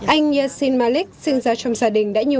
anh yassin malik sinh ra trong gia đình